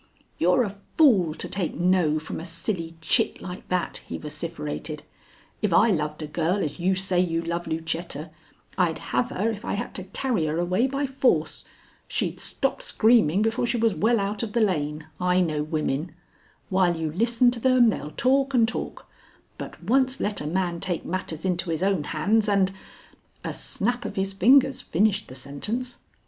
"You're a fool to take no from a silly chit like that," he vociferated. "If I loved a girl as you say you love Lucetta, I'd have her if I had to carry her away by force. She'd stop screaming before she was well out of the lane. I know women. While you listen to them they'll talk and talk; but once let a man take matters into his own hands and " A snap of his fingers finished the sentence.